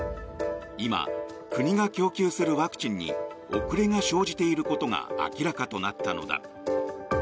今、国が供給するワクチンに遅れが生じていることが明らかとなったのだ。